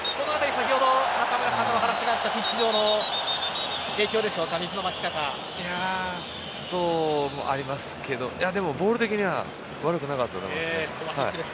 先ほど中村さんからお話のあったピッチ上の影響でしょうかそれもありますけどボール的には悪くなかったと思います。